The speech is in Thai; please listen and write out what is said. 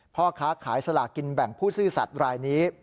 พ่อค้าขายสลากินแบ่งผู้ซื่อสัตว์รายนี้